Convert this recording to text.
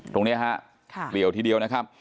ตรงนี้ฮะเปลี่ยวทีเดียวนะครับ